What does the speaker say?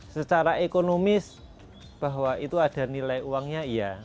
secara ekonomis bahwa itu ada nilai uangnya iya